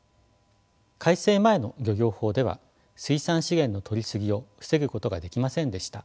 改正前の漁業法では水産資源のとりすぎを防ぐことができませんでした。